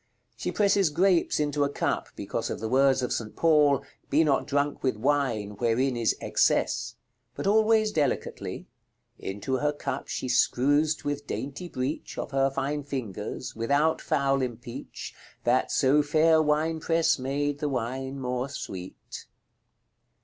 She presses grapes into a cup, because of the words of St. Paul, "Be not drunk with wine, wherein is excess;" but always delicately, "Into her cup she scruzd with daintie breach Of her fine fingers, without fowle empeach, That so faire winepresse made the wine more sweet."